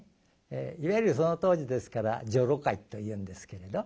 いわゆるその当時ですから女郎買いというんですけれど。